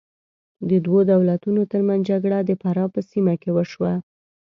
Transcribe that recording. د دوو دولتونو تر منځ جګړه د فراه په سیمه کې وشوه.